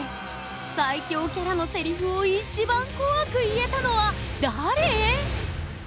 最恐キャラのセリフを一番怖く言えたのは誰？